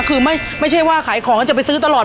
คือไม่ไม่ใช่ว่าขายของจะไปซื้อตลอด